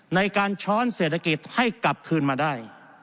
ในการช้อนเศรษฐกิจให้กลับคืนมาได้